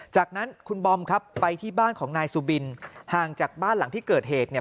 จากนั้นคุณบอมครับไปที่บ้านของนายสุบินห่างจากบ้านหลังที่เกิดเหตุเนี่ย